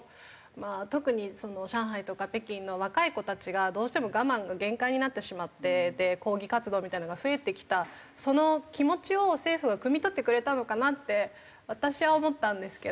特に上海とか北京の若い子たちがどうしても我慢が限界になってしまって抗議活動みたいなのが増えてきたその気持ちを政府がくみ取ってくれたのかなって私は思ったんですけど。